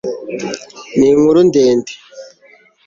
ninkuru ndende